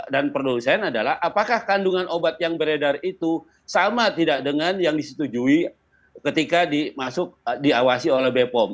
dan produsen adalah apakah kandungan obat yang beredar itu sama tidak dengan yang disetujui ketika diawasi oleh bpom